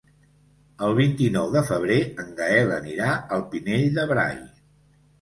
El vint-i-nou de febrer en Gaël anirà al Pinell de Brai.